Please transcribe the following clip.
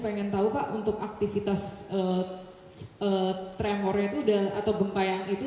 ingin tahu pak untuk aktivitas tremor atau gempa yang itu